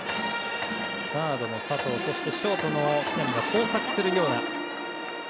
サードの佐藤とショートの木浪が交錯するような。